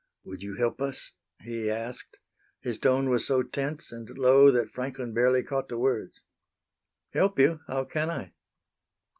"Would you help us?" he asked. His tone was so tense and low that Franklin barely caught the words. "Help you! How can I?"